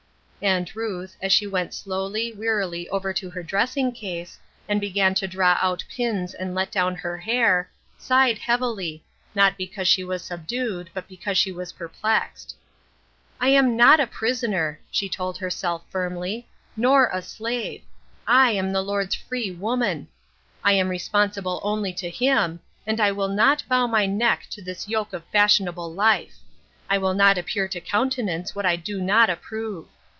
And Ruth, as she went slowly, wearily over to her dressing case, and began to draw out pins and let clown her hair, sighed heavily, not because she was subdued, but because she was perplexed. " I am not a prisoner," she told herself firmly, " nor a slave. I am the Lord's free woman. I 108 THE OLD QUESTION. am responsible only to Him, and I will not bow my neck to this yoke of fashionable life. I will not appear to countenance what I do not approve.